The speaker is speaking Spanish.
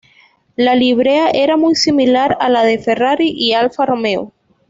La librea era muy similar a la de Ferrari y Alfa Romeo.